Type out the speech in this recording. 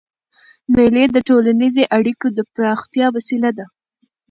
مېلې د ټولنیزو اړیکو د پراختیا وسیله ده.